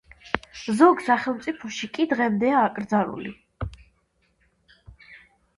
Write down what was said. ზოგ სახელმწიფოში კი დღემდეა აკრძალული.